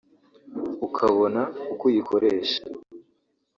ukabona uko uyikoresha